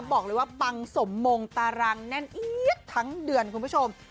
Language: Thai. บอกเลยว่าปังสมมงตารังแน่นเอี๊ยดทั้งเดือนคุณผู้ชม